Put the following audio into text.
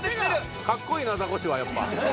かっこいいなザコシはやっぱ。